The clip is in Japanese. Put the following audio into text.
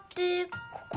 ここ？